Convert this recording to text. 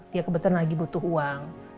dia kebetulan lagi butuh uang